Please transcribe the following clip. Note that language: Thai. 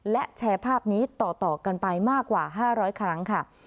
และแชร์ภาพนี้ต่อกันไปมากกว่า๕๐๐ครั้งค่ะ